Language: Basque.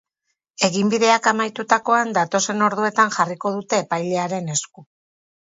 Eginbideak amaitutakoan, datozen orduetan jarriko dute epailearen esku.